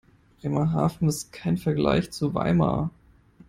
Bremerhaven ist kein Vergleich zu Weimar